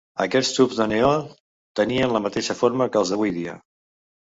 Aquests tubs de neó tenien la mateixa forma que els d'avui dia.